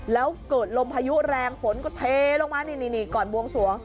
แล้วเกิดลมพายุแรงฝนก็เทลงมานี่ก่อนบวงสวง